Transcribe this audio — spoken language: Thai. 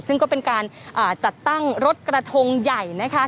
ซึ่งก็เป็นการจัดตั้งรถกระทงใหญ่นะคะ